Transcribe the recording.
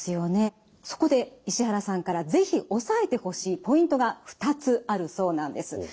そこで石原さんから是非押さえてほしいポイントが２つあるそうなんです。